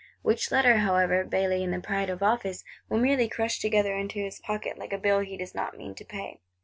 Which Letter, however, Bailly in the pride of office, will merely crush together into his pocket, like a bill he does not mean to pay.